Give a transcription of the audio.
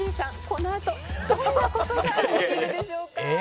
「このあとどんな事が起きるでしょうか？」